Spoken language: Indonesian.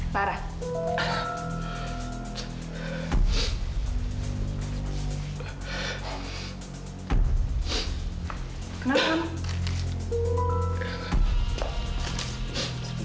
kalau misalnya bagaimana